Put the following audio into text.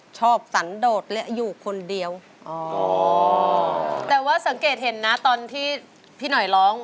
จริงหรอ